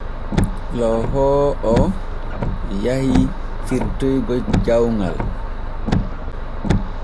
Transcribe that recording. Lohoowo o yahi firtoygo jawŋal.